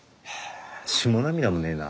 血も涙もねえな。